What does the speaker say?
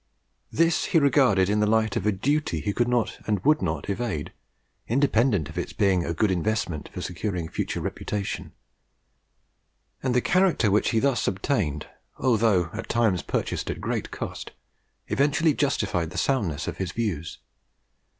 This he regarded in the light of a duty he could not and would not evade, independent of its being a good investment for securing a future reputation; and the character which he thus obtained, although at times purchased at great cost, eventually justified the soundness of his views.